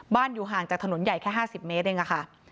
อยู่ห่างจากถนนใหญ่แค่๕๐เมตรเองค่ะ